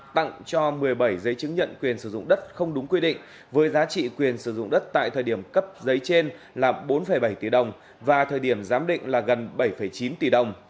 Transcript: tặng cho một mươi bảy giấy chứng nhận quyền sử dụng đất không đúng quy định với giá trị quyền sử dụng đất tại thời điểm cấp giấy trên là bốn bảy tỷ đồng và thời điểm giám định là gần bảy chín tỷ đồng